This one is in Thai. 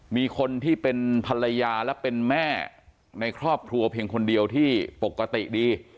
มีคนที่เป็นภรรยาและเป็นแม่ในครอบครัวเพียงคนเดียวที่ปกติดี